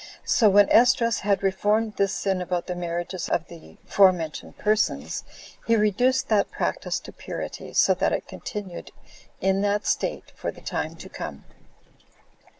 So when Esdras had reformed this sin about the marriages of the forementioned persons, he reduced that practice to purity, so that it continued in that state for the time to come.